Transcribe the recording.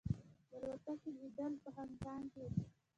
د الوتکې لوېدل په هانګ کې کې.